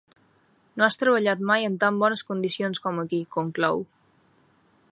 No has treballat mai en tan bones condiciones com aquí —conclou.